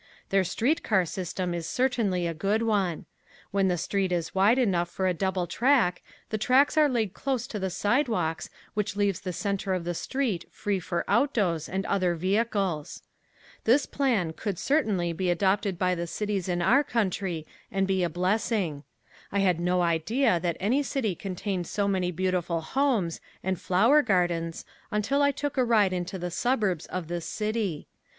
Their street car system is certainly a good one. When the street is wide enough for a double track the tracks are laid close to the sidewalks which leaves the center of the street free for autos and other vehicles. This plan could certainly be adopted by the cities in our country and be a blessing. I had no idea that any city contained so many beautiful homes and flower gardens until I took a ride into the suburbs of this city.